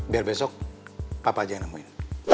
biar besok apa aja yang nemuin